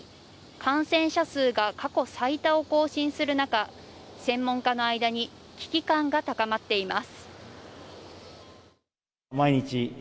感染者数が過去最多を更新する中、専門家の間に危機感が高まっています。